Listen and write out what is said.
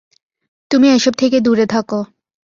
তুই এসব থেকে দূরে থাক!